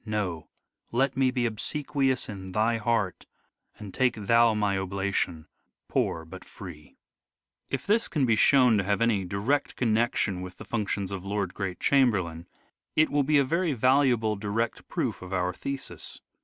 No, let me be obsequious in thy heart, And take thou my oblation, poor but free." 230 " SHAKESPEARE " IDENTIFIED If this can be shown to have any direct connection with the functions of Lord Great Chamberlain, it will be a very valuable direct proof of our thesis.